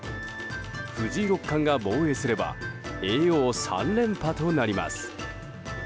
藤井六冠が防衛すれば叡王３連覇となります。